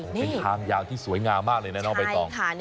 เป็นทางยาวที่สวยงามมากเลยนะน้องใบตอง